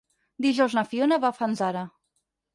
Dijous na Fiona va a Fanzara.